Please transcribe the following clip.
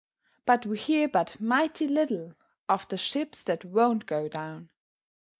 But we hear but mighty little Of the ships that won't go down.